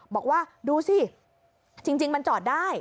บอกว่าดูสิจริงมันจอดได้